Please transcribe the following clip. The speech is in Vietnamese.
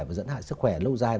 và dẫn hại sức khỏe lâu dài